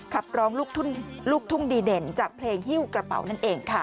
ขับร้องลูกทุ่งดีเด่นจากเพลงฮิ้วกระเป๋านั่นเองค่ะ